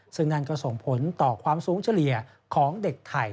ซึ่งนั่นก็ส่งผลต่อความสูงเฉลี่ยของเด็กไทย